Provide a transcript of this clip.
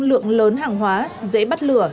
lượng lớn hàng hóa dễ bắt lửa